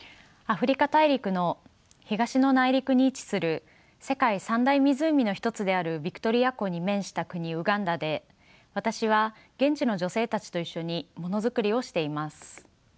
アフリカ大陸の東の内陸に位置する世界三大湖の一つであるヴィクトリア湖に面した国ウガンダで私は現地の女性たちと一緒にものづくりをしています。